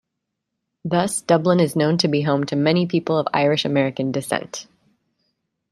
Thus Dublin is known to be home to many people of Irish American descent.